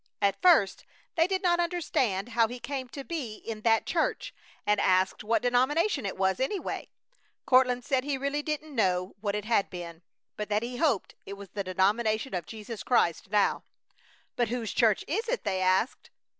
At first they did not understand how he came to be in that church, and asked what denomination it was, anyway. Courtland said he really didn't know what it had been, but that he hoped it was the denomination of Jesus Christ now. "But whose church is it?" they asked.